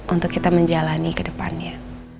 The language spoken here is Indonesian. untuk kita menjalani kedepannya